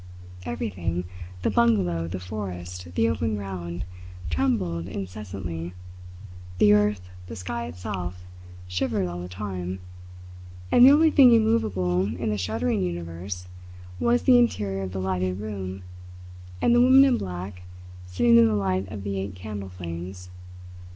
Everything the bungalow, the forest, the open ground trembled incessantly, the earth, the sky itself, shivered all the time, and the only thing immovable in the shuddering universe was the interior of the lighted room and the woman in black sitting in the light of the eight candle flames.